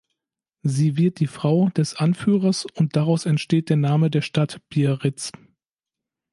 Sie wird die Frau des Anführers und daraus entsteht der Name der Stadt Biarritz.